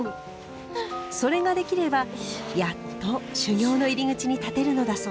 それができればやっと修行の入口に立てるのだそうです。